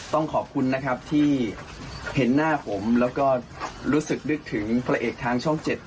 ต้องขอบคุณนะครับที่เห็นหน้าผมแล้วก็รู้สึกนึกถึงพระเอกทางช่อง๗